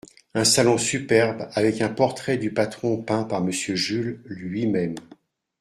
Un salon superbe, avec un portrait du patron peint par Monsieur Jules… lui-même.